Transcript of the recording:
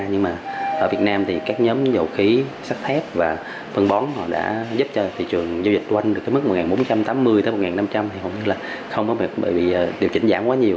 nhưng mà ở việt nam thì các nhóm dầu khí sắc thép và thun bón họ đã giúp cho thị trường giao dịch quanh được cái mức một nghìn bốn trăm tám mươi một nghìn năm trăm linh thì họ như là không có bị điều chỉnh giảm quá nhiều